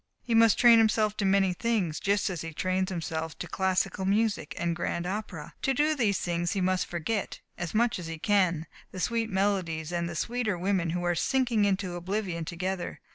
He must train himself to many things, just as he trains himself to classical music and grand opera. To do these things he must forget, as much as he can, the sweet melodies and the sweeter women who are sinking into oblivion together.